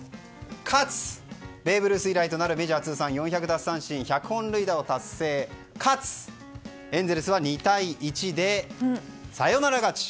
かつベーブ・ルース以来となるメジャー通算４００奪三振１００本塁打を達成かつエンゼルスは２対１でサヨナラ勝ち。